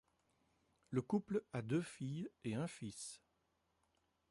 Le couple a deux filles et un fils.